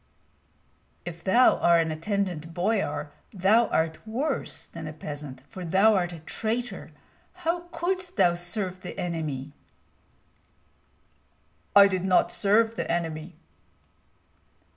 "If thou art an attendant boyar, thou art worse than a peasant, for thou'rt a traitor. How couldst thou serve the enemy?" "I did not serve the enemy."